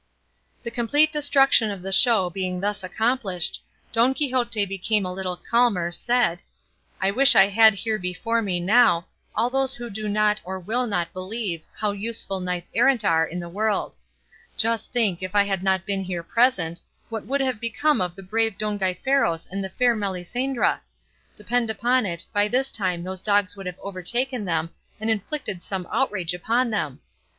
The complete destruction of the show being thus accomplished, Don Quixote became a little calmer, said, "I wish I had here before me now all those who do not or will not believe how useful knights errant are in the world; just think, if I had not been here present, what would have become of the brave Don Gaiferos and the fair Melisendra! Depend upon it, by this time those dogs would have overtaken them and inflicted some outrage upon them.